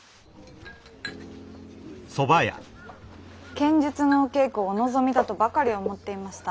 剣術のお稽古をお望みだとばかり思っていました。